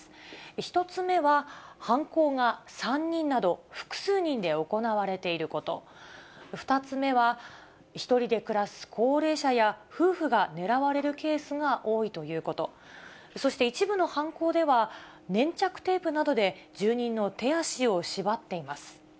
１つ目は、犯行が３人など複数人で行われていること、２つ目は、１人で暮らす高齢者や夫婦が狙われるケースが多いということ、そして一部の犯行では、粘着テープなどで住人の手足を縛っています。